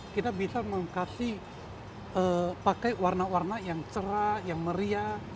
kita bisa pakai warna warna yang cerah yang meriah